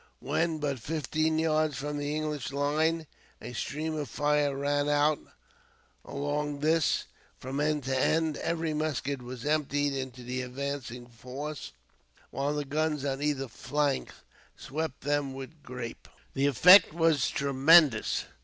When but fifteen yards from the English line, a stream of fire ran along this, from end to end. Every musket was emptied into the advancing force, while the guns on either flank swept them with grape. The effect was tremendous.